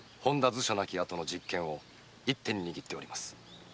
図書亡きあとの実権を一手に握っております。